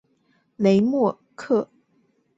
克雷莫。